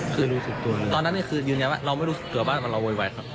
คือตอนนั้นคืออยู่อย่างไรวะเราไม่รู้สึกตัวว่าเราโวยวายครับ